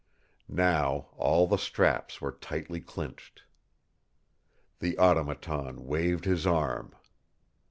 Now all the straps were tightly clinched. The Automaton waved his arm.